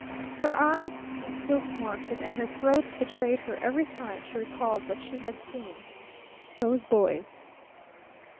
Her eyes still smarted, and her throat betrayed her every time she recalled what she had seen. Those boys!